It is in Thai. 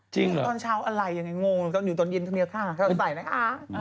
จริงเหรอตอนเช้าอะไรอย่างนี้งงตอนอยู่ตอนเย็นทีเมียข้างจะใส่นะคะ